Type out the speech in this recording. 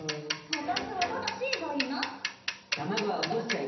私は「ただし」がいいな。